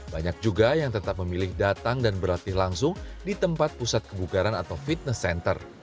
banyak juga yang tetap memilih datang dan berlatih langsung di tempat pusat kebugaran atau fitness center